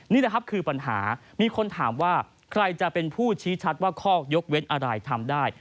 นี่แหละครับคือปัญหามีคนถามว่าใครจะเป็นผู้ชี้ชัดว่าข้อยกเว้นอะไรทำได้